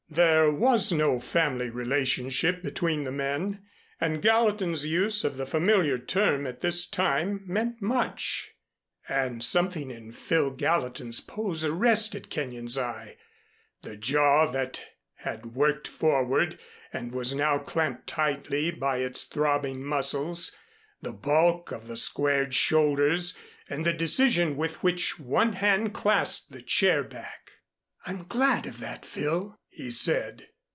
There was no family relationship between the men, and Gallatin's use of the familiar term at this time meant much, and something in Phil Gallatin's pose arrested Kenyon's eye, the jaw that had worked forward and was now clamped tightly by its throbbing muscles, the bulk of the squared shoulders and the decision with which one hand clasped the chair back. "I'm glad of that, Phil," he said.